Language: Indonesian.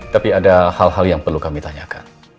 tapi ada hal hal yang perlu kami tanyakan